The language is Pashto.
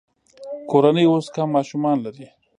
کورنۍ اوس کم ماشومان لري.